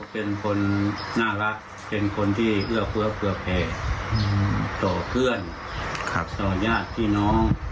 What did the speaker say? เป็นคนน่ารักเป็นคนที่เผื่อเพลินต่อเพื่อนต่อญาติพี่น้อง